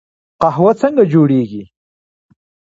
قهوه څنګه جوړیږي؟